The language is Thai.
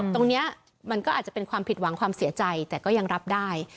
มันก็อาจจะเป็นความผิดหวังความเสียใจแต่ก็ยังรับได้